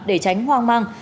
để tránh hoang mang